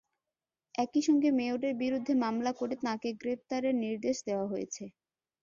একই সঙ্গে মেয়রের বিরুদ্ধে মামলা করে তাঁকে গ্রেপ্তারের নির্দেশ দেওয়া হয়েছে।